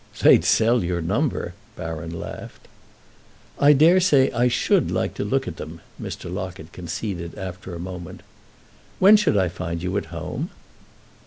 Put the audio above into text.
"They'd sell your number!" Baron laughed. "I daresay I should like to look at them," Mr. Locket conceded after a moment. "When should I find you at home?"